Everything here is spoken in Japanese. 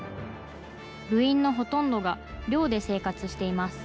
部員のほとんどが寮で生活しています。